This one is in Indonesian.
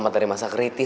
keajaiban sudah terjadi